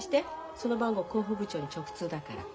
その番号広報部長に直通だから。